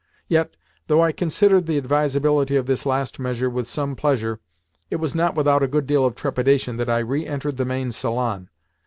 Yet, though I considered the advisability of this last measure with some pleasure, it was not without a good deal of trepidation that I re entered the main salon.